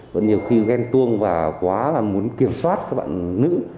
và nhiều khi ghen tuông và quá là muốn kiểm soát các bạn nữ